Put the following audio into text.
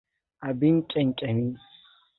Abin kyankyami.